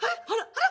あれ？